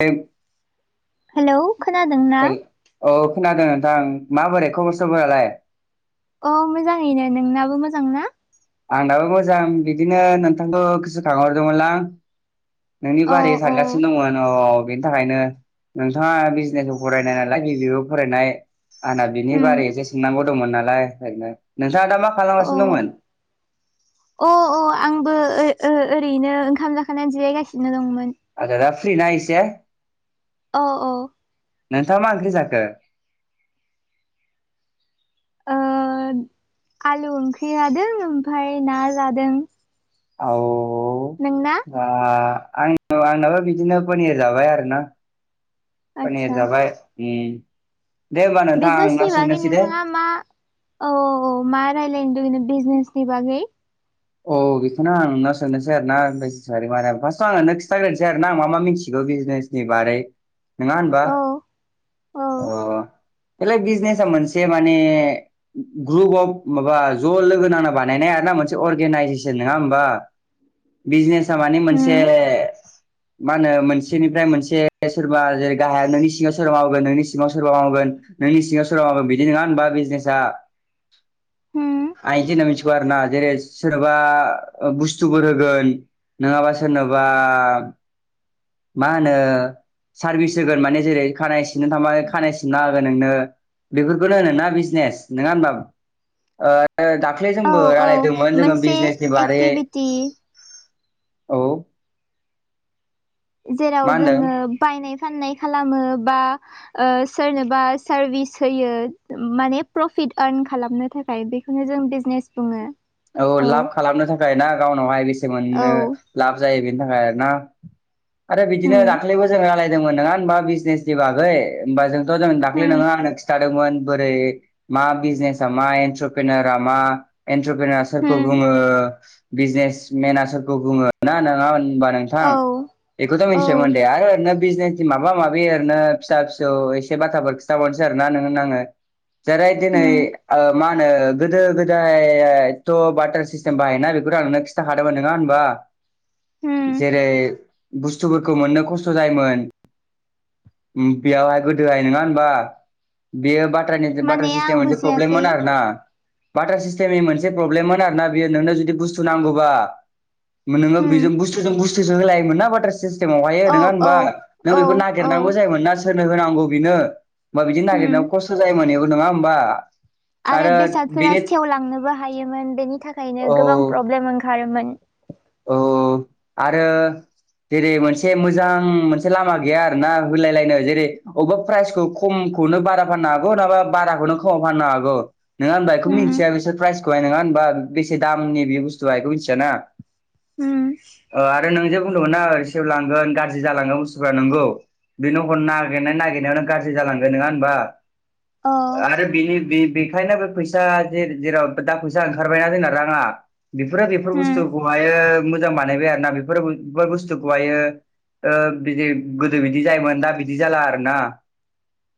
[unintelligible] Hello खोनादोंना? औ खोनादों नोंथां माबोरै खबर सबरालाय? औ मोजाङैनो नोंनाबो मोजां ना? आंनाबो मोजां बिदिनो नोंथांखौ गोसो खांहरदोंमोनलां नोंनि अ बारै अ सानगासिनो दंमोन औ बेनि थाखायनो नोंथाङा बिजनेसबो फरायनाय नालाय [unintelligible] फरायनाय आंना बिनि उम बारै एसे सोंनांगौ दंमोन नालाय ओरैनो नो जादा मा अ खालामगासिनो दंमोन? ओ ओरैनो ओंखाम जाखांनानै जिरायगासिनो दंमोन। आजादा फ्रिना एसे? औ औ नोंथाङा मा ओंख्रि जाखो? ओ आलु ओंख्रि जादों ओमफ्राय ना जादों। आव नोंना? दा आं औ आंनाबो बिदिनो पनिर जाबाय आरो ना। पनिर आदसा जाबाय उम दे होमबा नोंथां आं दा बिजनेसनि बागै सोंनोसै दे नोंथाङा मा औ औ औ मा रायलायनो लुगैनो बिजनेस नि बागै। औ बेखौनो आं नोंनाव सोंनोसै आरो ना [unintelligible] फार्सयाव आं नोंनो खिथाग्रोसै आरोना आं मा मा मिथिगौ। बिजनेसनि बारै नङा होनबा औ औ। बेलाय बिजनेस मोनसे माने ग्रुप अफ माबा ज' लोगो नांना बानायनाय आरो ना मोनसे अर गेनाइजेसन नङा होमबा बिजनेसा मानि मोनसे होम मा होनो मोनसेनिफ्राय मोनसे सोरबा जेरै गाहाया नोंनि सिङाव सोरबा मावगोन नोंनि सिङाव सोरबा मावगोन। नोंनि सिङाव सोरावबा मावगोन बिदि नङा होनबा बिजनेसा। होम आं एदि होनना मिथिगौ आरो ना जेरेस सोरनोबा बुस्थुफोर होगोन नङाबा सोरनोबा मा होनो सार्भिस होगोन माने जेरै खानाय सिननो थांबा खानाय सिनना होगोन नोंनो। बेफोरखौनो होनोना बिजनेस नोङा होनबा ओ ओ दाख्लै औ जोंबो औ रायलायदोंमोन जोङो मोनसे बिजनेसनि बारै एक्टिभिटि औ जेराव मा होनदों जोङो बायनाय फाननाय खालामो। बा ओ सोरनोबा सार्भिस होयो माने प्रफिट आर्न खालामनो थाख खाय बेखौनो जों बिजनेस बुङो। औ लाब खालामनो थाखाय ना गावनावहाय बेसे मोननो औ लाब जायो बे बिनि थाखाय आरो ना आरो बिदिनो होम दाख्लिबो जोङो दोंमोन नङा होमबा बिजनेसनि बागै होमबा जोंथ' जों दाख्लै होम नोङो आंनो खिथादोंमोन। बोरै मा बिजनेसा मा एन्ट्रपेनारा मा? इन्ट्रपेनार सोरखौ होम बुङो बिजनेसमेना सोरखौ बुङो ना नोङा होनबा नोंथां औ बेखौथ' औ मिथिबायमोन दे आरो ओरैनो बिजनेसनि माबा माबि ओरैनो फिसा फिसौ एसे बाथ्राफोर खिथाबावनोसै आरोना नोंनो आङो। जेरै दिनै होम ओ मा होनो गोदो गोदाय एथ' बाटार सिस्टेम बाहायोना बेखौथ' आंनो खिन्थाखादोंमोन नोङा होनबा? होम जेरै बुस्थुफोरखौ मोननो खस्थ' जायोमोन। ओम बेयावहाय गोदोहाय नोङा होनबा बेयो बाथ' फरायनो बाटार माने आं सिस्टेमाव एसे बुजियासै प्रब्लेममोन आरो ना बाटार मोनसे प्रब्लेम आरो ना बियो नोंनो जुदि बुस्थु नांगौबा नोङो होम बिजों बुस्थुजों बुस सोसो हालायोमोन ना बाटार सिस्टेमावहायो औ नोङा औ होमबा नों औ बेखौ औ नागेरनांगौ जायोमोन ना सोरनो होनांगौ बिनो होमबा बिदिनो नागिरनायाव होम खस्थ' जायोमोन नङा होमबा। आरो बेसादफोरा सेवलां नोबो हायोमोन बेनि थाखायनो गोबां औ प्रब्लेम ओंखारोमोन। औ आरो जेरै मोनसे मोजां मोनसे लामा गैया आरोना होलायलायनो जेरै अबेबा प्राइसखौ खम खौनो बारा फाननो हागौबा नङाबा बाराखौनो खमाव फाननो हागौ नङा होनबा बेखौ होम मिन्थिया बिसोर प्राइसखौहाय नङा होनबा बेसे दामनि बे बुस्थुआ बेखौ मिथियाना? होम आरो नोंजों बुंदोंमोनना सेवलांगोन गाज्रि जालांगोन बुस्थुफ्रा नोंगौ बे हरनो नागिरनाय नागिरनायावनो गाज्रि जालांगोन नङा हबा अ आरो बिनि बे बेखायनो बे फैसा जेराव दा फैसा ओंखारबायना जोंना राङा बेफोरो बेफोर होम बुस्थुखौहायो मोजां बानायबाय आरो ना बेफोर बेफोर बुस्थुखौहायो बिदि गोदो बिदि जायोमोन दा बिदि जाला आरोना?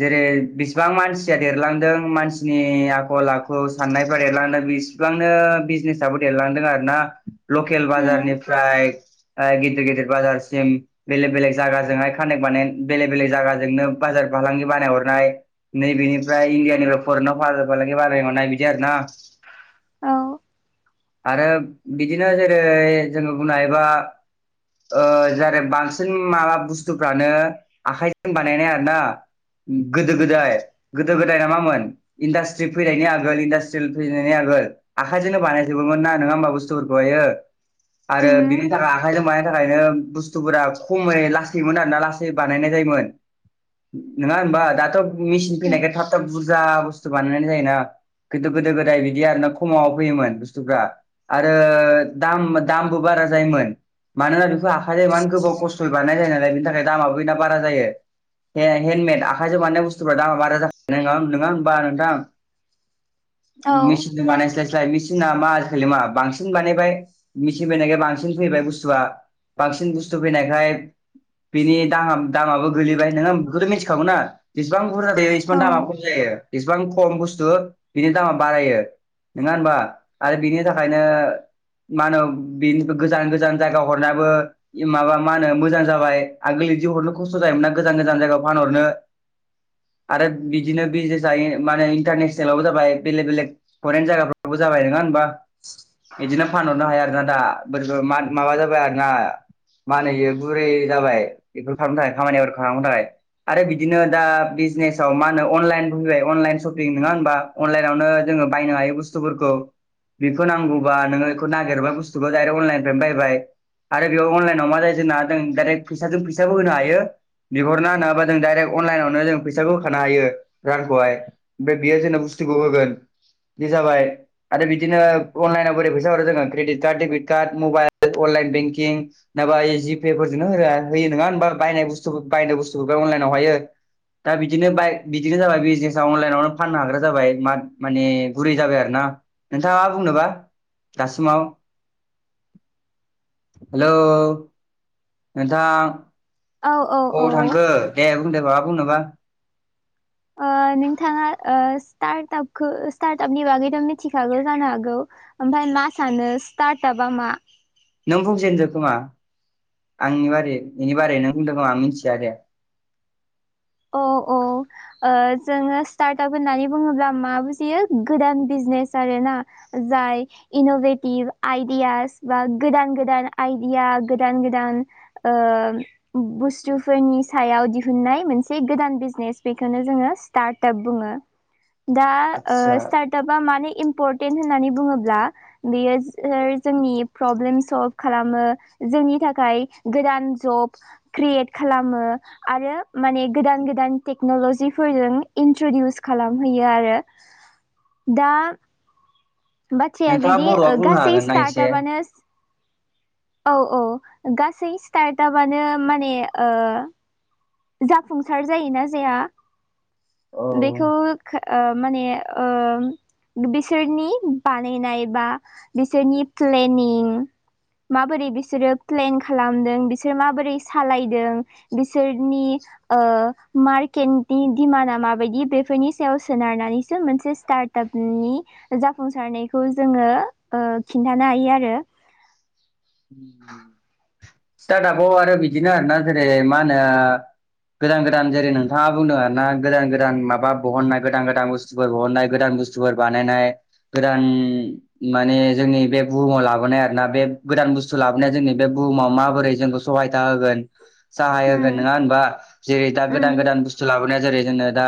जेरै बेसेबां मानसिया देरलांदों मानसिनि आखल आखु साननायफ्रा देरलांदों। बिसिबांनो बिजनेसाबो देरलांदों आरोना लकेल होम बाजारनिफ्राय गिदिर गिदिर बाजारसिम बेलेग बेलेग जायगाजोंहाय कानेक्ट बानाय बेलेग बेलेग जागाजोंनो बाजार फालांगि बानायहरनाय नैबेनिफ्राय इण्डियानिफ्राय फरेनाव भार फालांगि बानायहरनाय बिदि आरोना? [inaudible] औ आरो बिदिनो जेरै जोङो बुंनो हायोबा जेरै बांसिन माबा बुस्थुफ्रानो आखायजों बानायनाय आरो ना? गोदो गोदाय गोदो गोदाय नामोन इन्डास्ट्रि फैनायनि आगोल इन्डास्ट्रियेल फैनायनि आगोल आखाइजोंनो बानायजोबोमोन ना नङा मा बुस्थुफोरखौहायो। औ आरो बिनि थाखाय आखाइजों बा थाखायनो बुस्थुफोरा खमै लासैमोन आरोना लासै बानायनाय जायोमोन। नङा होनबा दाथ' मेसिन फैनायखाय थाब थाब बुरजा बुस्थु बानायनाय जायोना? खिन्थु गोदो गोदाय बिदि आर ना खमावाव फैयोमोन बुस्थुफ्रा आरो दाम दामबो बारा जायोमोन मानोना बेखौ आखाय जाय मानो गोबाव खस्थयै बानाय जाय बिनि थाखाय दामाबो बिना बारा जायो। हेन्दमेद आखाइजों बानायनाय बुस्थुफोरा दामा बारा जाख नङा नङा ओमबा नोंथां? औ मेचिनजों बानायस्लायस्लाय मेसिना मा आजिखालि मा बांसिन बानायबाय। मिथिंबायैनायखाय बांसिन फैबाय बुस्थुआ बांसिन बुस्थु फैनायखाय बेनि दा दामाबो गोलैबाय नोङो बेखौथ' मिथिखागौ ना जसेबां बुरजा जायो इसेबां दामा खम औ जायो इसेबां खम बुस्थु बिनि दामा बारायो। नङा होनबा आरो बिनि थाखायनो मा होनो बेनि गोजान गोजान जायगा हरनायाबो माबा मा होनो मोजां जाबाय आगोलनि हरनो खस्थ' जायोमोना गोजान गोजान जायगायाव फानहरनो आरो बिदिनो बिजनेस माहोने इन्टारनेसनेलावबो जाबाय बेलेग बेलेग फरेन जायगाफ्रावबो जाबाय नङा होनबा इदिनोब फानहरनो हाया आरोना दा बोरै माबा जाबाय आरोना मा होनो बियो बुरै जाबाय बेफोर खालामनो थाखाय खामानि खालामनो थाखाय। आरो बिदिनो दा बिजनेसाव मा होनो अनलाइनबो फैबाय अनलाइन सपिं नङा होनबा अनलाइनावनो जौंयो बायनो हायो बुसथुफोरखौ बेखौ नांगौबा नोंङो खौ नागिरबाय बुस्थुखौ डाइरे अनलाइन बायबाय। आरो बेयाव अनलाइनाव मा जायो जोंना जों डाइरेक्ट फैसाजों फैसाबो होनो हायो। बिहरना होनाबा जों डाइरेक्ट अनलाइनावनो जों फैसाखौ हो खानो हायो रानखौहाय ओमफ्राय बेयो जोंब बुस्थु [unintelligible] होगोन बे जाबाय आरो बिदिनो अनलायेनाव बोरै फैस [unintelligible] हरो जोङो credit card debit card mobile online banking नाबा जिपे फोरजोंनो हो होयो नङा ओनबा बायनाय बुस्थुफो बाय बुस्थु लायेनाव हायो। दा बिदिनो बाय बिदिनो जाबाय बिजनेसा अनलाइनावनो फाननो हाग्रा जाबाय मा माने गुरै जाबाय आरो ना [unintelligible] नोंथाङा मा बुंनोबा? दासिमाव हेलौ नोंथां औ अबाव औ ओ थांखो दे बुंदो माबा बुंनोबा। टार्टआपखो स्टार्ट आपनि बागैथ' मिथिखागौ जानो हागौ ओमफाय मा सानो स्टार्ट आप बा मा? नों बुंजेनदो खोमा आंनि बारै बेनि बारैनों बुंदों आं मिथिया दे। औ औ ओ जोङो स्टार्ट आप होननानै बुङोब्ला मा बुजियो गोदान बिज नेस आरोना जाय इन'भेटिभ आइदियास बा गोदान गोदान आइदि या गोदान गोदान ओ बुस्थुफोरनि सायाव दिहनाय मोनसे गोदान बिजनेस बेखौनो जोङो स्टार्टआप बुङो। दा आदसा ओ स्टार्ट आपा माने इम परटेन होननानै बुङोब्ला बेयो जोंनि प्रब्लेम सल्भ खालामो। जोंनि थाखाय गोदान जब क्रियेट खालामो आरो माने गोदान गोदान टेक्नलजिफोरजों इन्ट्रडिउस खालामहैयो आरो दा बाथ्राया नोंथाङा बिदि ओ बर'आव बुंनो गासै हागोन ना एसे स्टार्टआपानो औ औ गासै स्टार्टापानो माने ओ जाफुंसार जायोना जाया औ बेखौ खो ओ माने ओम बिसोरनि बानायनाय बा बिसोरनि प्लेनिं माबोरै बिसोरो प्लेन खालामदों बिसोर माबोरै सालायदों बिसोर नि ओ मारकेटदि दिमाना माबायदि बेफोरनि सायाव सोनारनानैसो मोन से स्टार्टापनि जाफुंसारनायखौ जोङो ओ खिन्थानो हायो आरो [unintelligible] स्टार्टापाव आरो बिदिनो आरो ना जेरै मा होनो गोदान गोदान जेरै नोंथाङा बुंदों आरो ना गोदान गोदान माबा बहननाय गोदान गोदान बुस्थुफोर बहननाय गोदान बुस्थुफोर बानायनाय गोदान माने जोंनि बे बुहुमाव लाबोनाय आरो ना बे गोदान बुस्थु लाबोनाया जोंनि बे बुहुमाव माबोरै जोंखौ सहायथा होगोन [unintelligible] उम होगोन नोङा होनबा जेरै दा उम गोदान गोदान बुस्थु लाबोनाया जेरै जोंनो दा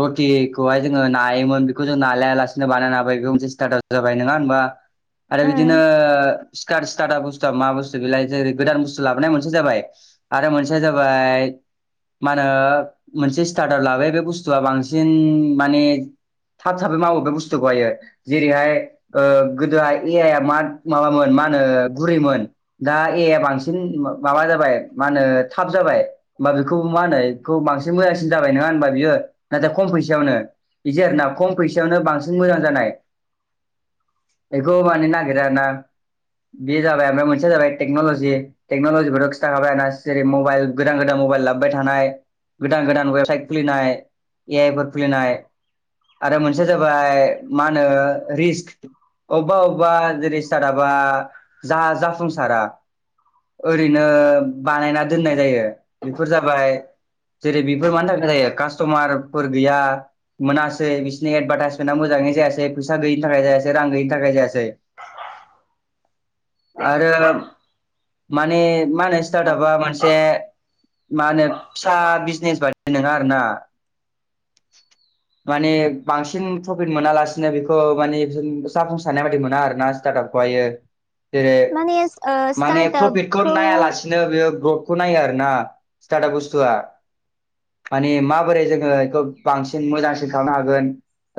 रटिखौहाय जोङो नायोमोन बेखौ जों ना [unintelligible] लासेनो बानायनो हाबाय बेबो मोनसे स्टार्टाप जाबाय नोङा होनबा आरो उम बिदिनो स्कार स्टार्टा बुस्थु मा बुस्थु बेलाय जेरै गोदान बुस्थु लाबोनाय मोनसेया जाबाय आरो मोनसेया जाबाय मा होनो मोनसे स्टार्टार लाबाय बे बुस्थुआ बांसिन माने थाब थाबै मावो बे बुस्थुखौहायो जेरैहाय ओ गोदोहाय ए आइ आ मा माबामोन मा हो गुरैमोन दा ए आइ आ बांसिन माबा जाबाय मा होनो थाब जाबाय [unintelligible] बेखौ मा होनो बेखौ बांसिन मोजांसिन जाबाय नङा होनबा बियो। नाथाय खम फैसायावनो बिदि आरो ना खम फैसायावनो बांसिन मोजां जानाय बेखौ मानि नागिरा आरोना। बे जाबाय आरो ना मोनसेया जाबाय टेक्न'लजि। टेक्न'लजिफोरा खिथाखाबाय आरो ना जेरै मबाइल गोदान गोदान मबाइल लाबोबाय थानाय, गोदान गोदान वेबसाइट खुलिनाय, ए आइ फोर खुलिनाय आरो मोनसेया जाबाय मा होनो रिस्क अबेबा अबेबा जेरै स्टार्टाप बा जा-जाफुंसारा ओरैनो बानायना दोननाय जायो। बेफोर जाबाय जेरै बेफोर मानि थाखाय जायो कास्ट'मारफोर गैया मोनासै बिसोरनि एडभार्टाइसमेन्टआ मोजां जायासै, फैसा गैयैनि थाखाय जायासै, रां गैयैनि थाखाय जायासै आरो माने मा होनो औ स्टार्टापा मोनसे मा होनो फिसा बिजनेस बायदि नोङा आरो ना माने बांसिन ट्रफिट मोनालासिनो बेखौ माने [unintelligible] जाफुंसारनाय बायदि मोना आरो ना। स्टार्टापखौहायो। जेरै माने ओ माने प्रफिटखौ स्टार्टआपखौ नायालासिनो बेयो [unintelligible] खौ नायो आरो ना स्टार्टाप बुस्थुवा। माने माबोरै जोङो बेखौ बांसिन मोजांसिन खालामनो हागोन।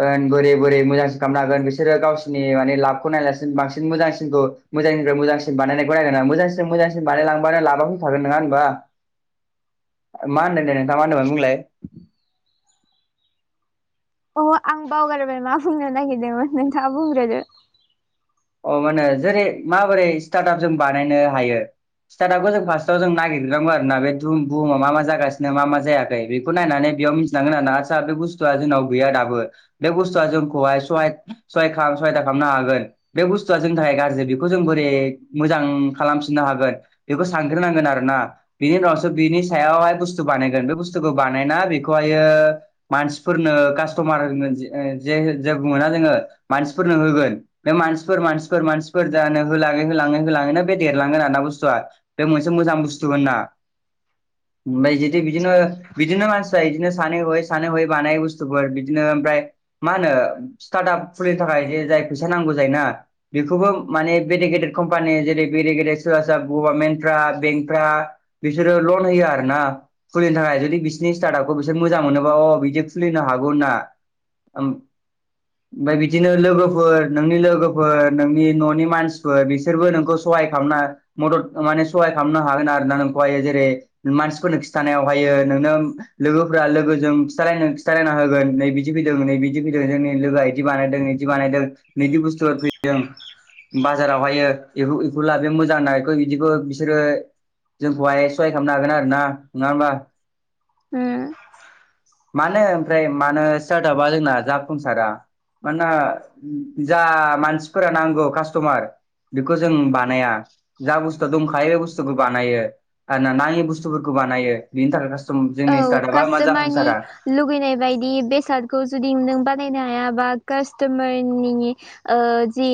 ओं बोरै बोरै मोजांसिन खामनो हागोन बिसोरो गावसिनि माने लाबखौ नायालासि बांसिन मोजांसिनखौ मोजांनिफ्राय मोजांसिन बानायनायखौ नायगोना मोजांसिन मोजांसिन बानायलांबानो लाबा फैखागोन नोङा होनबा मा होनदों दे नोंथाङा मा होनदोंमोन बुंलाय अह आं बावगारबाय मा बुंनो नागिरदोंमोन नोंथाङा बुंग्रोदो। अ मा होनो जेरै माबोरै स्टार्टाप जों बानायनो हायो स्तार्टापखौ जों फार्स्टाव जों नागिरग्रोमोन [unintelligible] बे दुम बुहुमाव मा मा जागासिनो मा मा जायाखै बेखौ नायनानै इयाव मिथिलांगोन आरो ना। आदसा बे बुस्थुआ जोंनाव गैया दाबो बे बुस्थुआ जोंखौहाय सहाय सहाय खा सहायदा खामनो हागोन। बे बुस्थुआ जोंनि थाखाय गाज्रि बेखौ जों बोरै मोजां खालामफिननो हागोन बेखौ सानग्रोनांगोन आरो ना। ना बिनि उनावसो बिनि सायावहाय बुस्थु बानायगोन। बे बुस्थुखौ बानायना बेखौहायो मान सिफोरनो कास्थमारनो जे ओ जे [unintelligible] बुङो ना जोङो मानसिफोरनो होगोन। बे मानस सिफोर मानसिफोर जानो होलाङै होलाङै होलाङैनो बे देरलांगोन ना बुस्थुवा। बे मोनसे मोजां बुस्थु थु होनना। जदि बिदिनो बिदिनो मानसिफ्रा बिदिनो सानै हयै सानै हयै बानायै बुस्थुफोर बिदिनो ओमफ्राय मा होनो स्टार्टआप खुलिनो थाखाय जे जाय फैसा नांगौ जायोना बेखौबो माने बेडि गेदेड कम्पानि जेरै बेडे गेदेद सोरबा सोर गभार्नमेन्टफ्रा बेंकफ्रा बिसोरो लन होयो आरोना खुलिनो थाखाय जुदि बिसोरनि स्टार्टआपखौ बिसोर मोजां मोनोबा अ बिदि खुलि लिनो हागौ होनना ओमफाय बिदिनो लोगोफोर नोंनि लोगो फोर नोंनि न'नि मानसिफोर बिसोरबो नोंखौ सहाय खालामना मदद माने सहाय खालामनो हागोन आरो आरोना नोंखौहाय जेरै मानसिफोरनो खिथानायाव हायो नोंनो लोगोफोरा लोगोजों खिथालायनो खिथालायना होगोन नै बिदि फैदों नै बिदि फैदों जोंनि लोगोआ इदि बानायदों इदि बानायदों नैदि बुस्थु फै जों बाजारावहायो इखौ बेखौ लाबो मोजां थाखाय इदिखौ बिदिखौ बिसोरो जोंखौहाय सहाय खामनो हागोन आरो ना नङा होमबा होम मानो ओमफ्राय मानो स्टार्टआपा जोंना जाफुंसारा मानना जा मानसिफोरा नांगौ कास्टमार बेखौ जों बानाया जा बुस्थुआ दंखायो बे बुस्थुखौ बानायो आरोना नाङि बुस्थुफोरखौ बानायो बेनि थाखाय कास्टम औ जोंनि स्टार्टआपा मा कास्ट'मारनि जाफुंसारा लुगैनाय बायदि बेसादखौ जुदि नों बा नायनो हायाबा कास्टमारनि ओ जि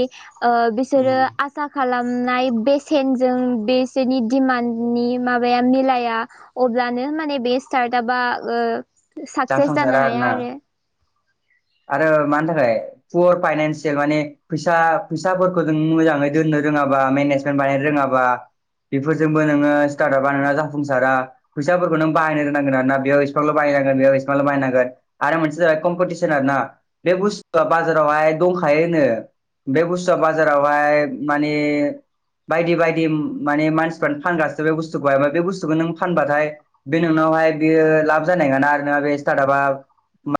ओ बिसोरो आसा खालाम नाय बेसेनजों बेसोरनि दिमाननि माबाया मिलाया अब्लानो माने बे स्टार्टआपा ओ साकसेस जानो जाफुंसारा हाया आरोना आरो आरो मानि थाखाय पर फाइनान्सियेल माने फैसा फैसाफोरखौ जों मोजाङै दोननो रोङाबा मेनेजमेन्ट बानायनो रोङाबा बेफोरजोंबो नोङो स्टार्टआबा नोंना जाफुंसारा फैसाफोरखौ नों बाहायनो रोंनांगोन आरोना बेयाव एसफारल' बाहाय बेयाव एसफारल' बाहायनांगोन आरो मोनसेया जाबाय कमपति सन आरोना बे बुस्थुआ बाजारावहाय दंखायो होनो बे बुस्थुआ बाजारावहाय मानि बायदि बायदि माने मानसिफोरानो फानगासिनो बे बुस्थुखौहाय बे बुस्थुखौ नों फानबाथाय बे नोंनाव हाय बेयो लाब जानाय नङाना आरो बे स्टार्टआपा